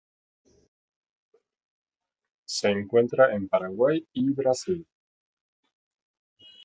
Se encuentra en Paraguay y Brasil.